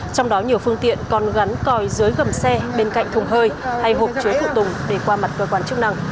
trong đó nhiều phương tiện còn gắn còi dưới gầm xe bên cạnh thùng hơi hay hộp chế phụ tùng để qua mặt còi quán chức năng